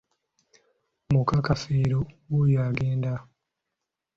Muka Kafeero wuuyo agenda.